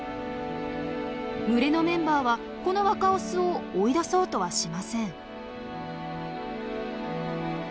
群れのメンバーはこの若オスを追い出そうとはしません。